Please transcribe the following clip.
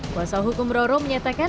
pasal hukum roro menyatakan